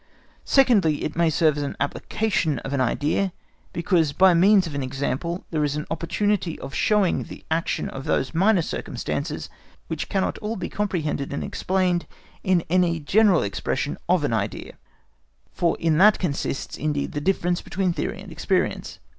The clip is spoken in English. Secondly, it may serve as an application of an idea, because by means of an example there is an opportunity of showing the action of those minor circumstances which cannot all be comprehended and explained in any general expression of an idea; for in that consists, indeed, the difference between theory and experience.